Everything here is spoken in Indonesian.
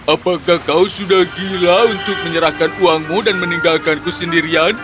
apakah kau sudah gila untuk menyerahkan uangmu dan meninggalkanku sendirian